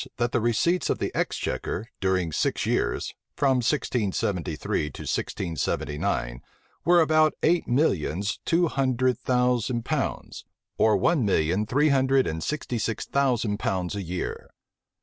12,) that the receipts of the exchequer, during six years, from 1673 to 1679, were about eight millions two hundred thousand pounds or one million three hundred and sixty six thousand pounds a year.